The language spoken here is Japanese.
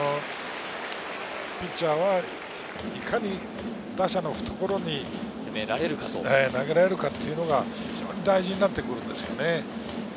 ピッチャーは、いかに打者の懐を攻められるか、投げられるかというのが大事になってくるんです。